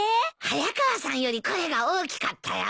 早川さんより声が大きかったよ。